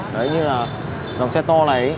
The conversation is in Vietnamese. đấy như là dòng xe to này